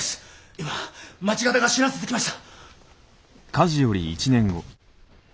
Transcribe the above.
今町方が知らせてきました。